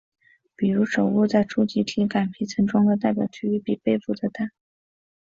比如手部在初级体感皮层中的代表区域比背部的大。